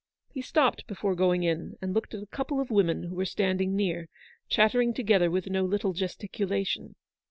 He stopped before going in, and looked at a couple of women who were standing near, chat tering together with no little gesticulation.